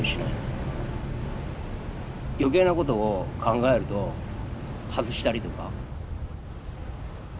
余計なことを考えると外したりとか。